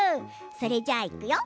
それじゃあいくよ。